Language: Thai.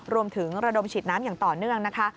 ระดมฉีดน้ำอย่างต่อเนื่องนะคะ